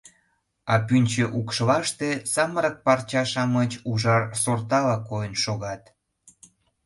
А пӱнчӧ укшлаште самырык парча-шамыч ужар сортала койын шогат.